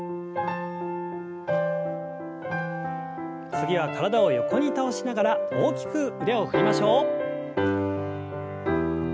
次は体を横に倒しながら大きく腕を振りましょう。